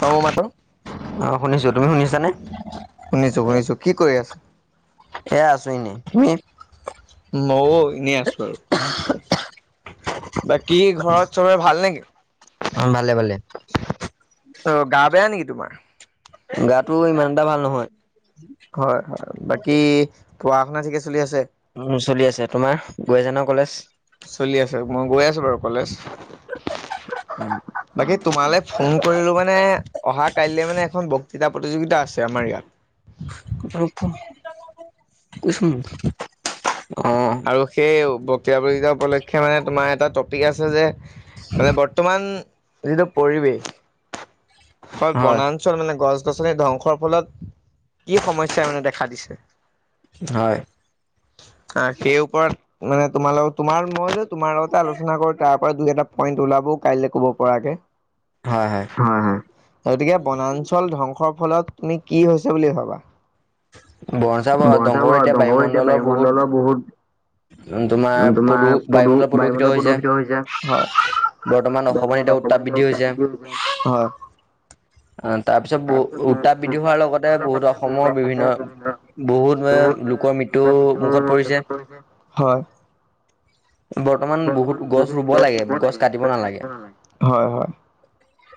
অঁ মোৰ অ শুনিছো তুমি মাতটো শুনিছানে শুনিছো শুনিছো কি কৰি আছা এইয়া আছো এনেই তুমি মইও এনে আছো। বাকী ঘৰত চবৰে ভাল নেকি অ' ভালে ভালে। গা বেয়া নেকি তোমাৰ গাটো ইমান এটা ভাল নহয়। হয় হয় বাকী পঢ়া শুনা ঠিকে চলি আছে চলি আছে তোমাৰ গৈ আছা ন কলেজ চলি আছে মই গৈ আছো বাৰু কলেজ। অ বাকী তোমালৈ ফোন কৰিলো মানে অহা কাইলৈ মানে এখন - এটা প্ৰতিযোগিতা আছে আমাৰ ইয়াত [unintelligible] আৰু সেই তেতিয়াবা কেতিয়াবা উপলক্ষে মানে তোমাৰ এটা টপিক আছে যে মানে বৰ্তমান যিটো পৰিৱেশ হয় বনাঞ্চল মানে গছ গছ গছনিৰ ধ্বংসৰ ফলত কি সমস্যাই মানে দেখা দিছে হয়। অঁ সেই ওপৰত মানে তোমালোক তোমাৰ মই যে তোমাৰ লগতে আলোচনা কৰো তাৰ দুই এটা পইণ্ট ওলাবও কাইলৈ ক'ব পৰাকে। হয় হয় গতিকে বনাঞ্চল ধ্বংস ধ্বংসৰ ফলত তুমি কি হৈছে বুলি ভাবা? বনাঞ্চল বঞ্চা ধ্বংস কৰিএতিয়া এতিয়া বায়ুমণ্ডলৰ বহুত। [unintelligible] তোমাৰ প্ৰদূ, বায়ুমণ্ডল প্ৰদূষিত হৈছে হয়। বৰ্তমান তোমাৰ অসমত উতাপ বৃদ্ধি হৈছে হয়। অ, তাৰ পিছত ব' উত্তাপ বৃদ্ধি হোৱাৰ লগতে, বহুত অসমৰ বিভিন্ন বহুত লোকৰ মৃত্যু মুখত পৰি। হয়। বৰ্তমান বহুত গছ ৰুব লাগে, কাটিব নালাগে হয়, হয়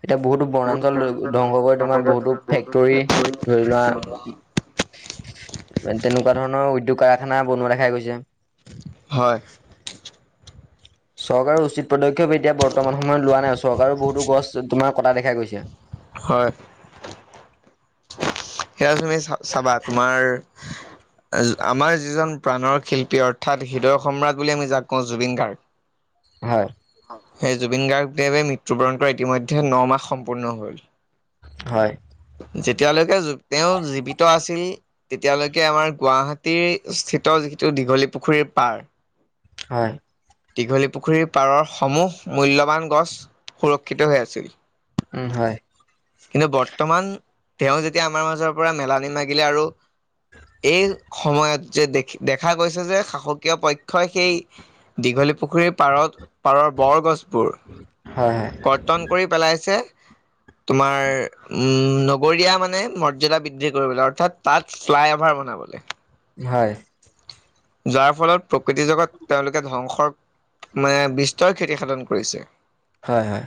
এতিয়া বহুতো বহুত বনাঞ্চল ব। ধ্বংস কৰি তোমাৰ বহুতো ফেক্টৰী, ধৰি লোৱা তেনেকুৱা ধৰণৰ উদ্যোগ খানা বনোৱা দেখাই গৈছে। হয়। চৰকাৰে উচিত পদ এতিয়া বৰ্তমান সময়ত লোৱা নাই। চৰকাৰে বহুতো গছ তোমাৰ কটা দেখা দেখা গৈছে। হয়। সেয়া তুমি চা-চাবা তোমাৰ। আমাৰ যিজন প্ৰাণৰ শিল্পী অৰ্থাৎ হৃদয় সম্ৰাট বুলি আমি যাক কওঁ জুবিন গাৰ্গ। হয়। সেই জুবিন গাৰ্গদেৱে মৃত্যুবৰণ কৰা ইতিমধ্যে ন মাহ সম্পূৰ্ণ হ'ল। হয়। যেতিয়ালৈকে তেওঁ জীৱিত আছিল, তেতিয়ালৈকে আমাৰ গুৱাহাটীস্থিত যিটো দীঘলী পুখুৰীৰ পাৰ হয়। দীঘলী পুখুৰীৰ পাৰৰ সমূহ মূল্যবান গছ সুৰক্ষিত হৈ আছিল। উম, হয়। কিন্তু বৰ্তমান তেওঁ যেতিয়া আমাৰ মাজৰ পৰা মেলানি মাগিলে আৰু, এই সময়ত যে দেখি দেখা গৈছে যে শাসকীয়পক্ষই সেই দীঘলী পুখুৰীৰ পাৰত পাৰৰ বৰ গছ বোৰ, হয় হয় কৰ্তন কৰি পেলাইছে। তোমাৰ উম, নগৰীয়া মানে মৰ্যদা বৃদ্ধি কৰিবলৈ, অৰ্থাৎ তাত ফ্লাইঅভাৰ বনাবলৈ। হয়। যাৰ ফলত প্ৰকৃতি জগত, তেওঁলোকে ধ্বংসৰ মানে বিস্তৰ ক্ষতি সাধন কৰিছে। হয়, হয়।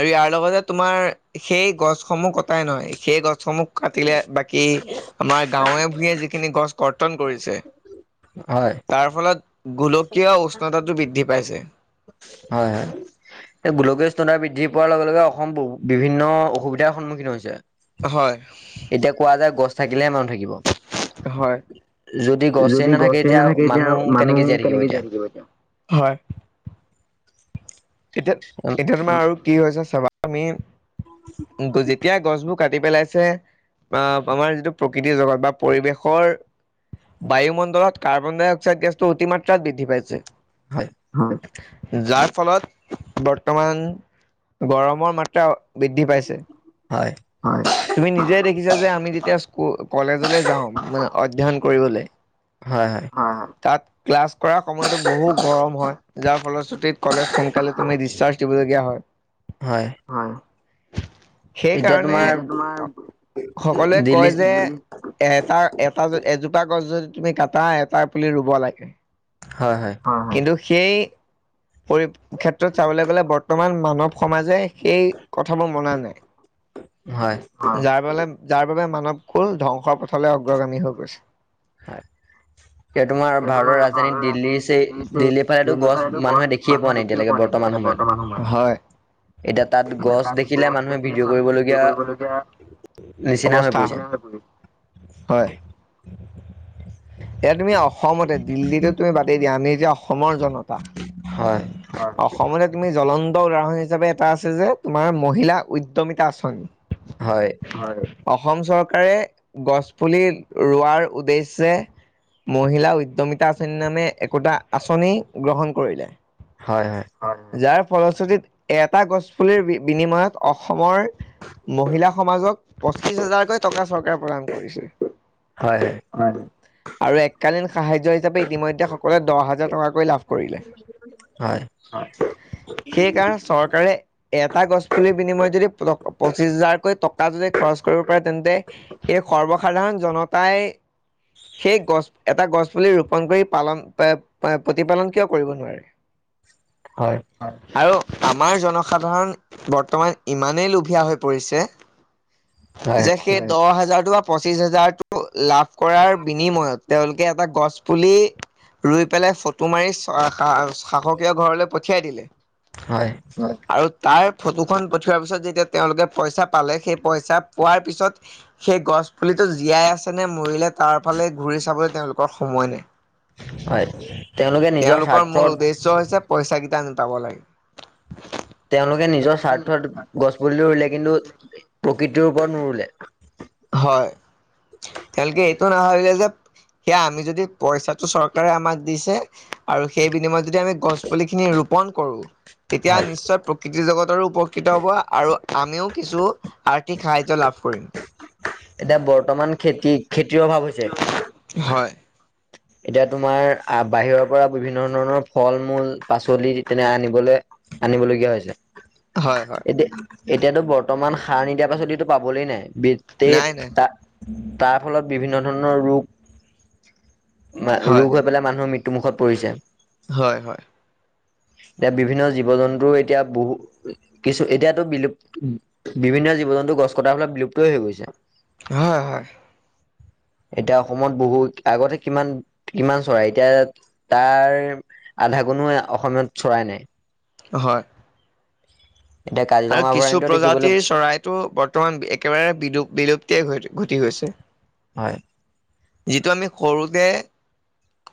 আৰু ইয়াৰ লগতে তোমাৰ--সেই গছসমূহ কটাই নহয়, সেই গছসমূহ কাটিলে, বাকী আমাৰ গাঁৱে-ভূঞে যিখিনি গছ- কৰ্তন কৰিছে। হয় তাৰ ফলত গোলকীয় উষ্ণতাটো বৃদ্ধি পাইছে। হয়, হয় গোলকীয় উষ্ণতা বৃদ্ধি পোৱাৰ লগে, লগে অসম বিভিন্ন অসুবিধাৰ সন্মুখীন হৈছে। হয়। থাকিলে মানুহ থাকিব। হয় যদি গছই নাথাকে এতিয়া মানুহ কেনেকে জীয়াই থাকিব এতিয়া হয়। এতিয়া হয় এতিয়া তোমাৰ আৰু কি হৈছে চাবা। আমি [unintelligible] এতিয়া গছবোৰ কাটি পেলাইছে আমাৰ যিটো প্ৰকৃতিৰ জগত বা পৰিৱেশৰ বায়ুমণ্ডলত কাৰ্বন ডাই অক্সাইড গেছটো অতিমাত্ৰাত বৃদ্ধি পাইছে। যাক ফলত বৰ্তমান গৰমৰ মাত্ৰা বৃদ্ধি পাইছে হয় হয় তুমি নিজে দেখিছা যে আমি যেতিয়া স্কু কলেজলে যাওঁ মানে অধ্যয়ন কৰিবলৈ হয় হয় হ তাত ক্লাছ কৰা সময়টো বহু গৰম হয় যাৰ ফলশ্ৰুতিত কলেজ ফোন কাল ত ডিচাৰ্জিব দ হয় সেই এতিয়া কাৰণে তোমাৰ সকলোৱে দিল্লী কয় যে এটা এটা এজোপা গছ যদি তুমি কটা এটা পুলি ৰুব লাগে হয় হয় অ কিন্তু সেই পৰি ক্ষেত্ৰত চাবলৈ গলে বৰ্তমান মানৱ সমাজে সেই কথাবোৰ মনা নাই হয় যাৰ বাবে যাৰ বাবে মানৱ কল ধ্বংসৰ পথলৈ অগ্ৰগামী হৈ গৈছে হয় স তোমাৰ ভাৰতৰ ৰাজধানী দিল্লীছে দিল্লীৰ ফালেতো গছ মানুহে দেখিয়ে পোৱা নাই এতিয়া োৱা নাইক বৰ্তমান সময়ত হয় এতিয়া তাত এতিয়া গছ তাত দেখিলে গছ মানুহে দেখিলে ভিডিঅ' মানুহে ভদ্ধ কৰিবলগীয়া নিচিনা হৈ অৱস্থা পৰিছে হয় এয়া তুমি অসমতে দিল্লীতো তুমি বতি দিয়া আনি এতিয়া অসমৰ জনতা হয় অসমতে তুমি জ্বলন্ত উদাহৰণ হিচাপে এটা আছে যে তোমাৰ মহিলা উদ্্যমিতা আঁচনি হয় হয় অসম চৰকাৰে গছ পুলি ৰোৱাৰ উদ্দেশ্যে মহিলা উদ্যমিতা আঁচনিৰ নামে একোটা আঁচনি গ্ৰহণ কৰিলে হয় যাৰ ফলশ্ৰতিীত এটা গছপুলিৰ বিনিময়ত অসমৰ মহিলা সমাজক পঁচিছ হাজাৰকৈ টকা চৰকাৰ প্ৰদান কৰিছে হয় আৰু এককালীন সাহ্য হিচাপে ইতিমধ্যে লে দহ হাজাৰ টকাকৈ লাভ কৰিলে। হয় সেইকাৰণে চৰকাৰে এটা গছ পুলি বিনিময়ত যদি পঁচিশ হাজাৰকৈ টকা যদি খৰচ কৰিব পাৰে তেন্তে সেই সৰ্বসাধাৰণ জনতাই সেই গছ এটা গছ পুলি ৰোপন কৰি পালন প্ৰতিপালন কিয় কৰিব নোৱাৰে। হয় আৰু। আমাৰ জনসাধাৰণ বৰ্তমান ইমানেই লোভীয়া হৈ পৰিছে। হয় যে সেই দহ হাজাৰ পঁচিছ হোজাৰটো লাভ কৰাৰ বিনিময়ত তেওঁলোকে এটা গছ পুলি ৰোই পেলে ফটো মাৰি চ সা - সা শাস ঘৰলৈ পঠিয়াই দিলে। হয় আৰু তাৰ ফটোখন পঠিওৱাৰ পিছত যেতিয়া তেওঁলোকে পইচা পালে সেই পইচা পোৱাৰ পিছত সেই গছ পুলিটো জীয়াই আছে নে মৰিলে তাৰ ফালে ঘূৰি চাবলৈ তেওঁলোকৰ সময় নাই। হয় তেওঁলোকে নিজৰ স্বাৰ্থৰ হেই গিতা নুতাব লাগে [unintelligible] তেওঁলোকে নিজৰ স্বাৰ্থত গছ পুলি ৰুলে কিন্তু প্ৰকৃতিৰ ওপৰত নৰুলে। হয় তেওঁলোকে এইটো নাভাবিলে যে সেইয়া আমি যদি পইচাটো চৰকাৰে আমাক দিছে আৰু সেই বিনিময়ত যদি আমি গছ পুলিখিনি ৰোপন কৰো তেতিয়া হয় নিশ্চয় প্ৰকৃতি জগতৰো উপকৃত হব আৰু আমিও কিছু আৰ্থিক সাহায্য লাভ কৰিম। এতিয়া বৰ্তমান খেতি - খেতিৰ অভাৱ হৈছে। হয় এতিয়া তোমাৰ আহ বাহিৰৰ পৰা বিভিন্ন ধৰণৰ ফল মূল পাচলি তেনে আনিবলৈ আনিবলগীয়া হৈছে। হয় হয় এতিয়া। এতিয়াতো বৰ্তমান সাৰ নিদিয়াৰ পাচলিটো পাবলেই নাই। নাই নাই বিতেপ্ত তাৰ ফলত বিভিন্ন ধৰণৰ ৰোগ। ম হয় ৰোগ হৈ পেলাই মানুহৰ মৃত্যু মৃত্যুমুখত পৰিছে। হয়- হয়। এতিয়া বিভিন্ন জীৱ জন্তুৰ এতিয়া বহু কিছু এতিয়াতো বিলুপ্ত বিভিন্ন জীৱ জন্তু গছ কটাৰ ফালত বিলুপ্তই হৈ গৈছে। হয় - হয়। এতিয়া অসমত বহুত আগতে কিমান - কিমান চৰাই এতিয়া তাৰ আধা গুণো অসমত চৰাই নাই। হয়। এতিয়া আৰু কাজিৰঙা কিছু অভয়াৰণ্য দেখিবলৈ প্ৰজাতিৰ চৰাইটো বৰ্তমান একেবাৰে বিলুপ বিলুপ্তিয়ে ঘ ঘটি গৈছে। হয় যিটো আমি সৰুতে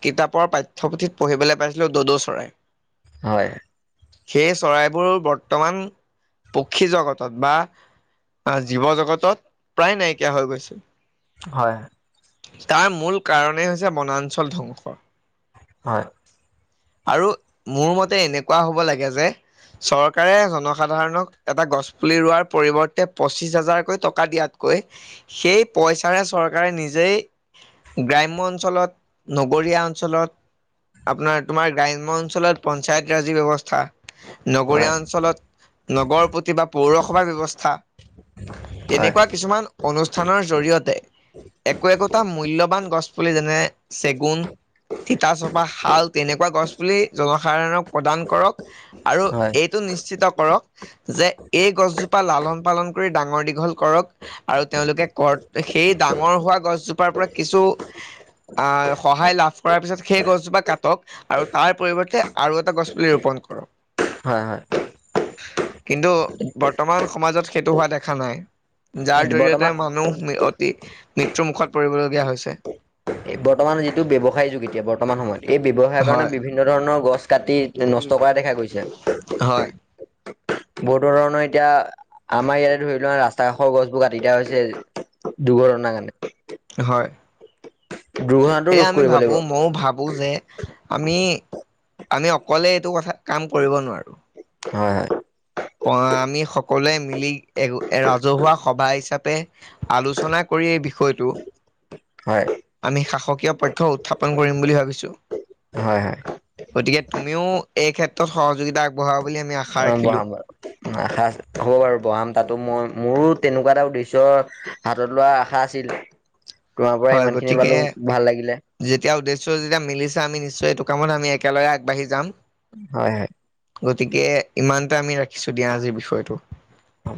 কিতাপৰ পাঠ্যপুথিত পঢ়িবলৈ পাইছিলোঁ দদৌ চৰাই। হয়। সেই চৰাইবোৰ বৰ্তমান পক্ষী জগতত বা জীৱ জগতত প্ৰায় নাইকিয়া হৈ গৈছে। হয়। তাৰ মূল কাৰণেই হৈছে বনাঞ্চল ধ্বংস। হয়। আৰু মোৰ মতে এনেকুৱা হ'ব লাগে যে চৰকাৰে জনসাধাৰণক এটা গছ পুলি ৰোৱাৰ পৰিৱৰ্তে পঁচিশ হাজাৰকৈ টকা দিয়াতকৈ সেই পইচাৰে চৰকাৰে নিজেই গ্ৰাম্য অঞ্চলত, নগৰীয়া অঞ্চলত আপোনাৰ তোমাৰ গ্ৰাম্য অঞ্চলত পঞ্চায়তৰ যি ব্যৱস্থা। নগৰীয়া হয় অঞ্চলত নগৰ প্ৰতিভা পৌৰসভাৰ ব্যৱস্থা। হয় তেনেকুৱা কিছুমান অনুষ্ঠানৰ জৰিয়তে, একো একোটা মূল্যৱান গছপুলি যেনে চেগুন, তিতাচপা, শাল। তেনেকুৱা গছ পুলি জনসাধাৰণক প্ৰদান কৰক। আৰু হয় এইটো নিশ্চিত কৰক যে এই গছজোপা লালন পালন কৰি ডাঙৰ দীঘল কৰক আৰু তেওঁলোকে কৰ সেই ডাঙৰ হোৱা গছজোপাৰ পৰা কিছু আ' সহায় লাভ কৰাৰ পিছত সেই গছজোপা কাটক। আৰু তাৰ পৰিৱৰ্তে আৰু এটা গছ পুলি ৰোপন কৰক। হয় হয়। কিন্তু বৰ্তমান সমাজত সেইটো হোৱা দেখা নাই। যাৰ জৰিয়তে বৰ্তমান মানুহ অতি মৃত্যুমুখত পৰিবলগীয়া হৈছে। এই বৰ্তমান যিটো ব্যৱসায় যুগ এতিয়া বৰ্তমান সময়ত। এই ব্যৱসায়ৰ কাৰণে হয় বিভিন্ন ধৰণৰ গছ কাটি উম নষ্ট কৰা দেখা হয় গৈছে। বহুতো ধৰণৰ এতিয়া আমাৰ ইয়াতে ধৰি লোৱা ৰাস্তা কাষৰ গছবোৰ কাটি দিয়া হৈছে দুৰ্ঘটনা কাৰণে। হয়, দুৰ্ঘটনাটো সেয়া ৰোধ আমি কৰিব ভাবো লাগিব মইও ভাবো যে আমি আমি অকলে এইটো কথা কাম কৰিব নোৱাৰো। হয়, হয়। আমি সকলোৱে মিলি এক এ ৰাজহুৱা সভা হিচাপে আলোচনা কৰি এই বিষয় বিষয়টো হয় আমি শাসকীয় পক্ষ্যই উৎথাপন কৰিম বুলি ভাবিছো। হয় হয় গতিকে, আমিও এই ক্ষেত্ৰত সহযোগিতা আগবঢ়াব বুলি আমি আশা অ ৰাখিলোঁ। বহাম বাৰু আশা হ'ব বাৰু বঢ়াম তাতো মই মোৰো তেনেকুৱা এটা উদ্দেশ্য হাতত লোৱাৰ আশা আছিল। তোমাৰ পৰা হয় ইমান খিনি গতিকে, পালো ভাল লাগিলে যেতিয়া উদ্দেশ্য যেতিয়া মিলিছে আমি নিশ্চয় এইটো কামত আমি একেলগে আগবাঢ়ি যাম। হয়, হয়। গতিকে ইমানটা আমি ৰাখ ৰাখিছো দিয়া আজিৰ বিষয়টো। হ'ব